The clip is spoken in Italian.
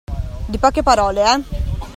Di poche parole, eh!